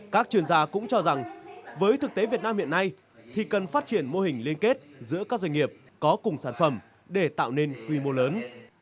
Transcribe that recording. các chuyên gia cũng cho rằng với thực tế việt nam hiện nay thì cần phát triển mô hình liên kết giữa các doanh nghiệp có cùng sản phẩm để tạo nên quy mô lớn